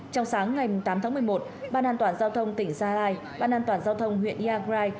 trong sáng ngày tám tháng một mươi một ban an toàn giao thông tỉnh gia lai ban an toàn giao thông huyện iagrai